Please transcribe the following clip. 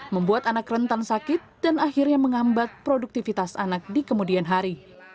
membuat anak rentan sakit dan akhirnya menghambat produktivitas anak di kemudian hari